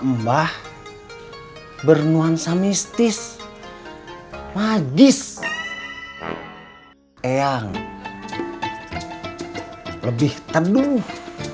nama mbah bernuansa mistis magis yang lebih teduh